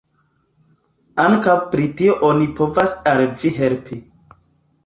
Ankaŭ pri tio oni povas al vi helpi.